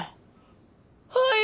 はい！